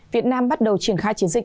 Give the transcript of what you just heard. việt nam bắt đầu triển khai chiến dịch